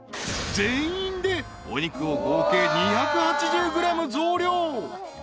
［全員でお肉を合計２８０ｇ増量］